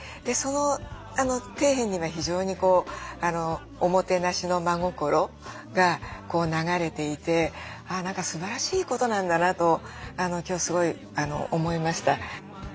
その底辺には非常にこうおもてなしの真心が流れていてあ何かすばらしいことなんだなと今日すごい思いました。